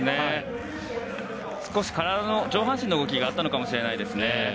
少し上半身の動きがあったかもしれないですね。